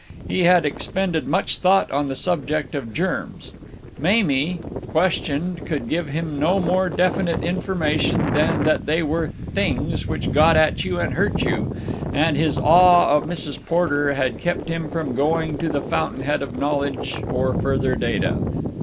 He had expended much thought on the subject of germs. Mamie, questioned, could give him no more definite information than that they were "things which got at you and hurt you," and his awe of Mrs. Porter had kept him from going to the fountainhead of knowledge for further data.